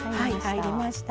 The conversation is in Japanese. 入りました。